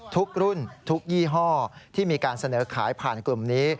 ทุกรุ่นทุกยี่ห้อที่มีการเสนอขายผ่านกลุ่มนี้